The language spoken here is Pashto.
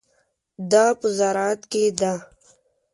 دا په زراعت کې ده.